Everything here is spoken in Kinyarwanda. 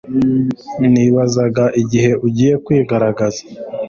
Nibazaga igihe ugiye kwigaragaza